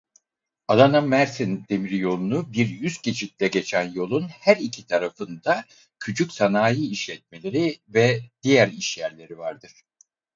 Adana-Mersin demiryolunu bir üst geçitle geçen yolun her iki tarafında küçük sanayi işletmeleri ve diğer iş yerleri vardır.